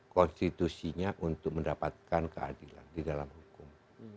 konstitusinya untuk mendapatkan keadilan di dalam hukum